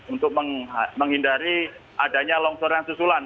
untuk menghindari adanya longsoran susulan